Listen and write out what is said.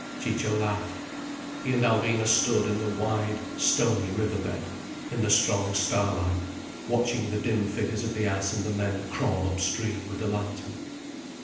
Ciccio laughed. He and Alvina stood in the wide, stony river bed, in the strong starlight, watching the dim figures of the ass and the men crawl upstream with the lantern.